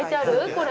これ。